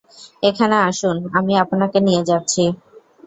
এখানে আসুন আমি আপনাকে নিয়ে যাচ্ছি।